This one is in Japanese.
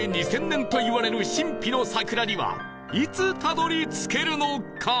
２０００年といわれる神秘の桜にはいつたどり着けるのか？